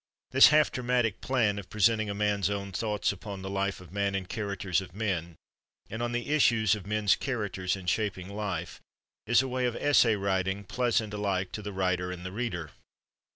This half dramatic plan of presenting a man's own thoughts upon the life of man and characters of men, and on the issues of men's characters in shaping life, is a way of essay writing pleasant alike to the writer and the reader.